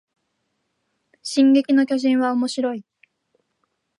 進撃の巨人はおもしろい